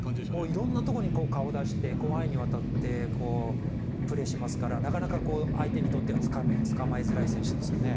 色んなところに顔を出して広範囲にわたってプレーしますからなかなか相手にとってはつかまえづらい選手ですよね。